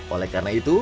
oleh karena itu